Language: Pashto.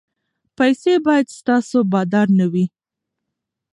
پیسې باید ستاسو بادار نه وي.